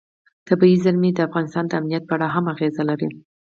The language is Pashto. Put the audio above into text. طبیعي زیرمې د افغانستان د امنیت په اړه هم اغېز لري.